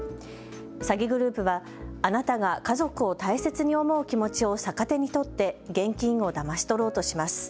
詐欺グループはあなたが家族を大切に思う気持ちを逆手に取って現金をだまし取ろうとします。